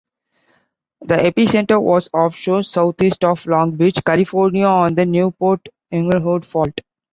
The epicenter was offshore, southeast of Long Beach, California, on the Newport-Inglewood Fault.